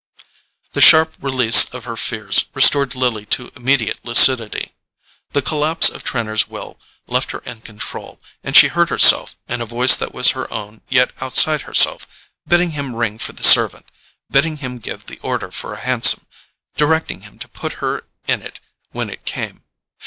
The sharp release from her fears restored Lily to immediate lucidity. The collapse of Trenor's will left her in control, and she heard herself, in a voice that was her own yet outside herself, bidding him ring for the servant, bidding him give the order for a hansom, directing him to put her in it when it came.